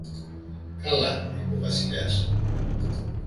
καλά, είπε ο Βασιλιάς.